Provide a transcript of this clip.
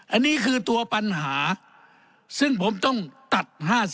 อันนี้คือตัวปัญหาซึ่งผมต้องตัด๕๐